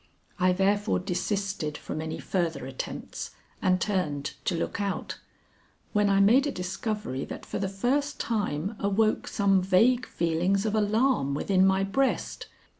I therefore desisted from any further attempts and turned to look out, when I made a discovery that for the first time awoke some vague feelings of alarm within my breast.